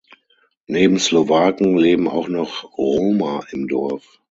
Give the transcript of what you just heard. Neben Slowaken leben auch noch Roma im Dorf.